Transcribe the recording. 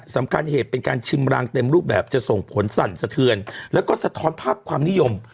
เหตุเป็นการชิมรางเต็มรูปแบบจะส่งผลสั่นสะเทือนแล้วก็สะท้อนภาพความนิยม